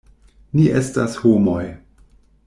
Ni estas homoj.